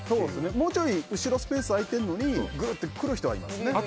もうちょい後ろスペース空いてるのにぐっと来る人はいますね。